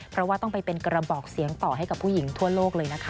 เพราะว่าต้องไปเป็นกระบอกเสียงต่อให้กับผู้หญิงทั่วโลกเลยนะคะ